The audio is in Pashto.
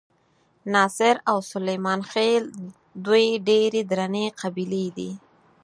ناصر او سلیمان خېل دوې ډېرې درنې قبیلې دي.